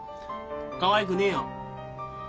かわいくねえよ。